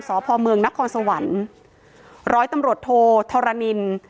สพเมืองนครสวรรค์ร้อยตำรวจโทธรณิน